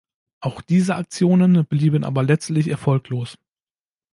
Auch diese Aktionen blieben aber letztlich erfolglos.